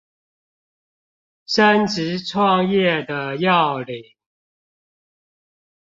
升職創業的要領